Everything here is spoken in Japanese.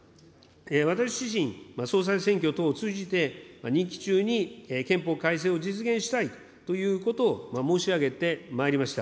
私自身、総裁選挙等を通じて、任期中に憲法改正を実現したいということを申し上げてまいりました。